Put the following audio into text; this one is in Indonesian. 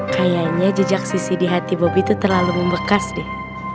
kayaknya jejak sisi di hati bobi itu terlalu membekas deh